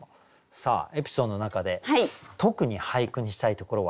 さあエピソードの中で特に俳句にしたいところはどこか。